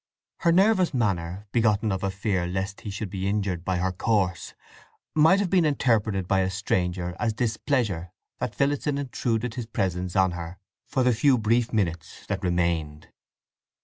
Her nervous manner, begotten of a fear lest he should be injured by her course, might have been interpreted by a stranger as displeasure that Phillotson intruded his presence on her for the few brief minutes that remained.